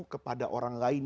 kepada orang lain